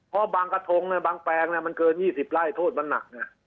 เพราะบางกระทงบางแปลงมันเกิน๒๐ไร่โทษมันหนัก